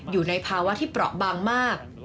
อยู่ในภาวะที่เปราะบางมาก